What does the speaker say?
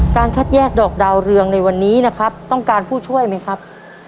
คัดแยกดอกดาวเรืองในวันนี้นะครับต้องการผู้ช่วยไหมครับ